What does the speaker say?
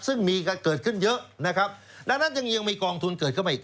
ซึ่งมีเกิดขึ้นเยอะนะครับดังนั้นยังมีกองทุนเกิดขึ้นอีก